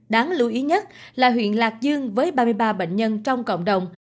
đáng lưu ý nhất là huyện lạc dương với ba mươi ba bệnh nhân trong cộng đồng